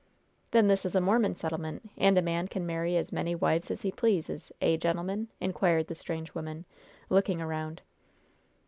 "Then this is a Mormon settlement, and a man can marry as many wives as he pleases, eh, gentlemen?" inquired the strange woman, looking around.